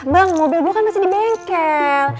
bang mobil gue kan masih di bengkel